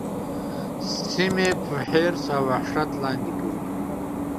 سیمې په حرص او وحشت لاندي کوي.